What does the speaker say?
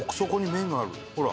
ほら！